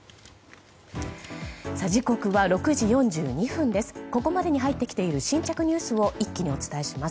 時刻は６時４２分です。